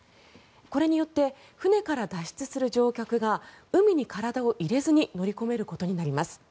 これによって船から脱出する乗客が海に体を入れずに乗り込めることになります。